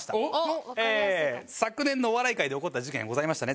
昨年のお笑い界で起こった事件ございましたね。